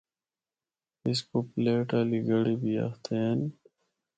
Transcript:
اس کو پلیٹ آلی گڑھی بھی آخدے ہن۔